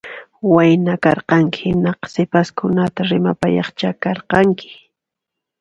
Wayna karqanki hinaqa sipaskunata rimapayaqcha karqanki